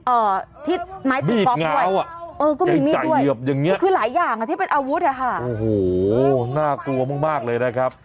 เอ่อที่ไม้ติดก๊อบไว้อย่างใจเหยียบอย่างนี้คือหลายอย่างที่เป็นอาวุธค่ะโอ้โหน่ากลัวมากเลยนะครับ